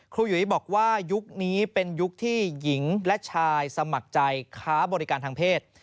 หยุยบอกว่ายุคนี้เป็นยุคที่หญิงและชายสมัครใจค้าบริการทางเพศ